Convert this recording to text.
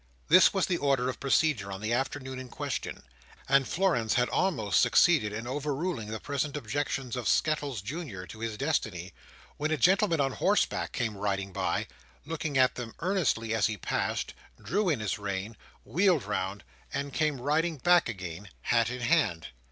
This was the order of procedure on the afternoon in question; and Florence had almost succeeded in overruling the present objections of Skettles Junior to his destiny, when a gentleman on horseback came riding by, looked at them earnestly as he passed, drew in his rein, wheeled round, and came riding back again, hat in hand.